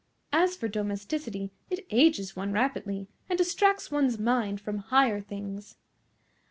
As for domesticity, it ages one rapidly, and distracts one's mind from higher things."